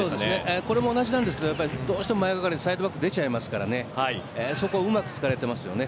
これも同じですがどうしても前がかりサイドバック出てしまいますからそこをうまく突かれてますよね。